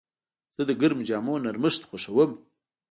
زه د ګرمو جامو نرمښت خوښوم.